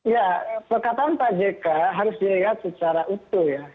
ya perkataan pak jk harus dilihat secara utuh ya